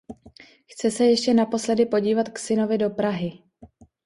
Chce se ještě naposledy podívat k synovi do Prahy.